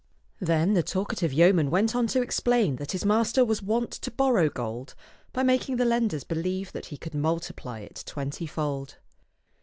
Then the talkative yeoman went on to explain that his master was wont to borrow gold by making the lenders be lieve that he could multiply it twentyfold.